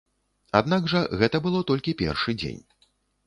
Аднак жа гэта было толькі першы дзень.